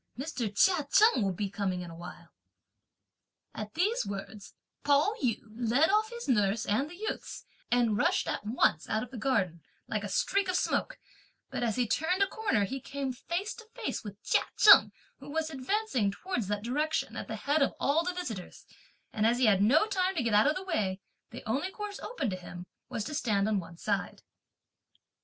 Mr. Chia Cheng will be coming in a while." At these words, Pao yü led off his nurse and the youths, and rushed at once out of the garden, like a streak of smoke; but as he turned a corner, he came face to face with Chia Cheng, who was advancing towards that direction, at the head of all the visitors; and as he had no time to get out of the way, the only course open to him was to stand on one side.